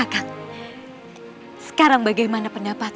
dan aku juga tidak menang